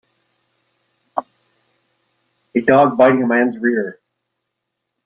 A dog biting a man 's rear